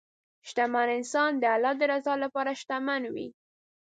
شتمن انسان د الله د رضا لپاره شتمن وي.